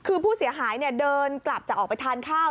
คือผู้เสียหายเดินกลับจะออกไปทานข้าว